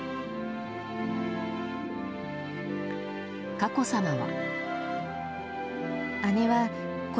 佳子さまは。